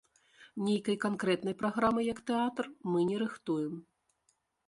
Нейкай канкрэтнай праграмы, як тэатр, мы не рыхтуем.